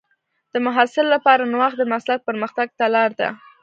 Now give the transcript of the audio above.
د محصل لپاره نوښت د مسلک پرمختګ ته لار ده.